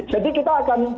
jadi kita akan